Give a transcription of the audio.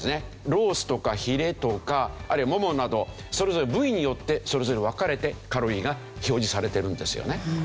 ロースとかヒレとかあるいはモモなどそれぞれ部位によってそれぞれ分かれてカロリーが表示されてるんですよね。